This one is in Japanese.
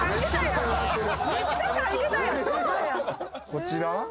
こちら。